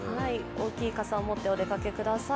大きい傘を持ってお出かけください。